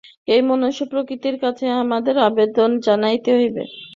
এই মনুষ্য-প্রকৃতির কাছেই আমাদের আবেদন জানাইতে হইবে।